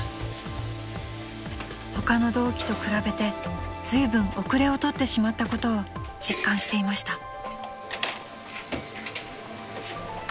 ［他の同期と比べてずいぶん後れを取ってしまったことを実感していました］